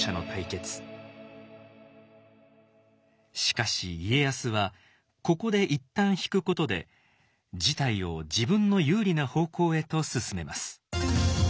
しかし家康はここで一旦引くことで事態を自分の有利な方向へと進めます。